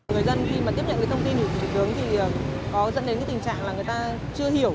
người dân khi mà tiếp nhận cái thông tin của thủ tướng thì có dẫn đến cái tình trạng là người ta chưa hiểu